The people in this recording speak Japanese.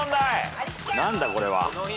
何だこれは？